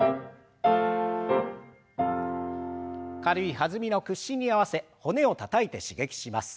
軽い弾みの屈伸に合わせ骨をたたいて刺激します。